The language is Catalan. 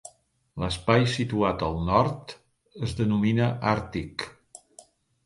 L'Espai situat al nord es denomina Àrtic.